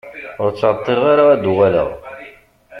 Ur ttɛeṭṭileɣ ara ad d-uɣaleɣ.